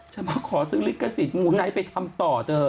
ฉันมาขอซื้อริกศิษย์มูไหนไปทำต่อเธอ